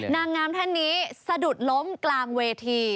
นางงามท่านนี้สะดุดล้มกลางเวที